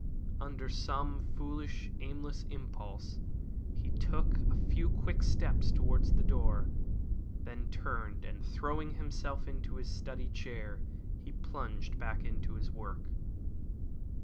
Under some foolish, aimless impulse, he took a few quick steps towards the door. Then he turned, and throwing himself into his study chair he plunged back into his work.